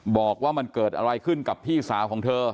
บอกว่ามันเกิดอะไรขึ้นกับพี่สาวของเธอ